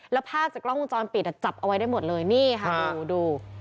แล้วภาพจากกล้องวงจรปิดอ่ะจับเอาไว้ได้หมดเลยนี่ค่ะดูดู